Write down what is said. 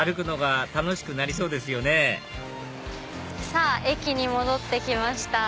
さぁ駅に戻って来ました。